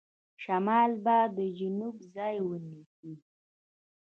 شمال به د جنوب ځای ونیسي.